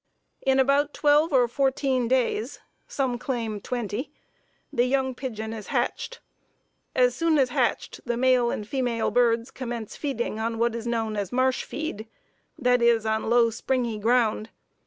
In about twelve or fourteen days some claim twenty the young pigeon is hatched. As soon as hatched the male and female birds commence feeding on what is known as marsh feed, that is, on low, springy ground.